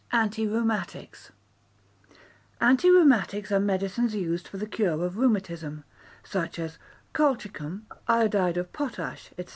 Antirheumatics Antirheumatics are medicines used for the cure of rheumatism, such as colchicum, iodide of potash, &c.